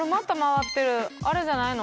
あれじゃないの？